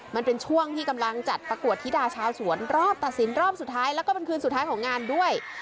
มันเป็นช่วงที่กำลังจัดประกวดธิดาชาวสวนรอบตัดสินรอบสุดท้ายแล้วก็เป็นคืนสุดท้ายของงานด้วย